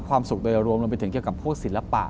ความสุขโดยรวมรวมไปถึงเกี่ยวกับพวกศิลปะ